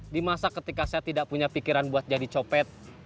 di masa ketika saya tidak punya pikiran buat jadi copet